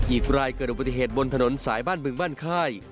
อีกรายเกิดอุบัติเหตุบนถนนสายบ้านบึงบ้านค่าย